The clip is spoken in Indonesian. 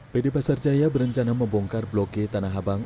pd pasar jaya berencana membongkar blok g tanah abang